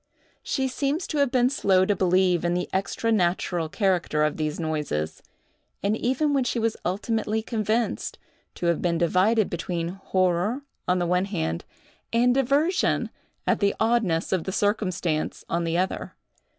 She seems to have been slow to believe in the extra natural character of these noises; and even when she was ultimately convinced, to have been divided between horror on the one hand, and diversion, at the oddness of the circumstance, on the other.